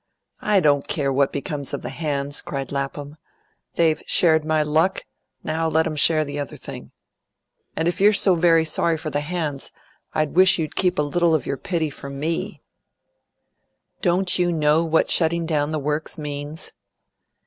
"I don't care what becomes of the hands," cried Lapham. "They've shared my luck; now let 'em share the other thing. And if you're so very sorry for the hands, I wish you'd keep a little of your pity for ME. Don't you know what shutting down the Works means?"